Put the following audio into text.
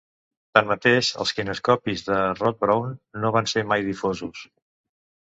Tanmateix, els kinescopis de Rod Brown no van ser mai difosos.